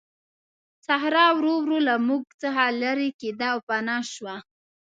صخره ورو ورو له موږ څخه لیرې کېده او پناه شوه.